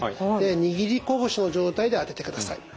握りこぶしの状態で当ててください。